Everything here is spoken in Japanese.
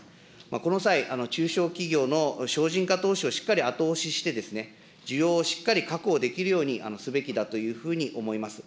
この際、中小企業の省人化投資をしっかり後押しして、需要をしっかり確保できるようにすべきだというふうに思います。